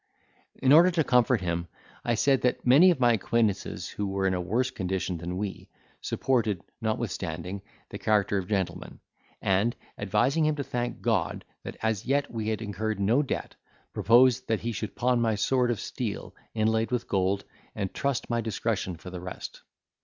In order to comfort him, I said, that many of my acquaintances, who were in a worse condition than we, supported, notwithstanding, the character of gentlemen; and advising him to thank God that as yet we had incurred no debt, proposed he should pawn my sword of steel, inlaid with gold, and trust to my discretion for the rest.